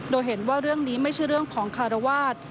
โดยเห็นว่าเรื่องนี้ไม่ใช่เรื่องของคารวาส